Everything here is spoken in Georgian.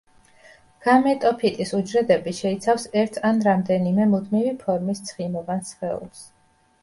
გამეტოფიტის უჯრედები შეიცავს ერთ ან რამდენიმე მუდმივი ფორმის ცხიმოვან სხეულს.